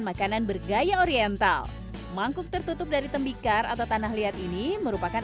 makanan bergaya oriental mangkuk tertutup dari tembikar atau tanah liat ini merupakan